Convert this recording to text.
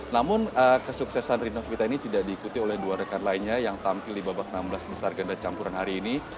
namun kesuksesan rinovita ini tidak diikuti oleh dua rekan lainnya yang tampil di babak enam belas besar ganda campuran hari ini